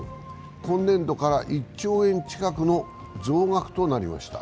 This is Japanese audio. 今年度から１兆円近くの増額となりました。